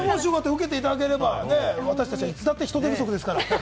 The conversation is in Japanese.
受けていただければ、私たちいつだって人手不足ですから。